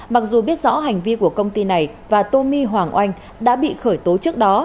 mặc dù biết rõ hành vi của công ty này và tô my hoàng oanh đã bị khởi tố trước đó